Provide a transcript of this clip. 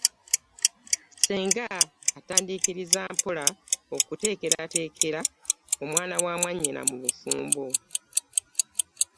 Ssenga atandiikiriza mpola okuteekerateekera omwana wa mwanyina obufumbo.